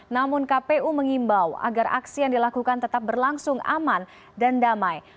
namun kpu mengimbau agar aksi yang dilakukan tetap berlangsung aman dan damai